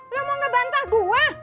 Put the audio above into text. lu mau ngebantah gua